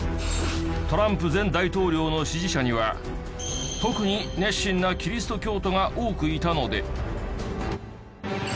トランプ前大統領の支持者には特に熱心なキリスト教徒が多くいたので。